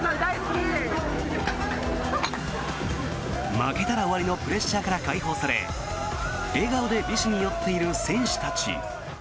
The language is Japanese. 負けたら終わりのプレッシャーから解放され笑顔で美酒に酔っている選手たち。